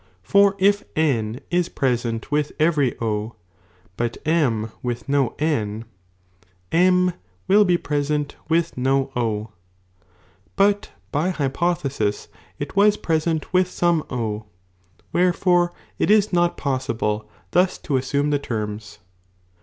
For if N is present with every O, but M with no N, M will be present with no O, but by hypothesis, it was present with some O, wherefore it is not possible thus to assume the terms.